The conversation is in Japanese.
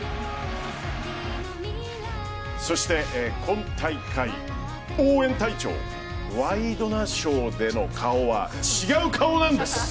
そして今大会、応援隊長「ワイドナショー」での顔は違う顔なんです！